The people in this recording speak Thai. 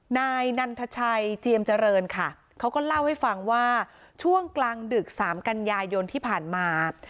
นายนันทชัยเจียมเจริญค่ะเขาก็เล่าให้ฟังว่าช่วงกลางดึกสามกันยายนที่ผ่านมา